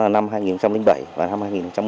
năm hai nghìn bảy và năm hai nghìn một mươi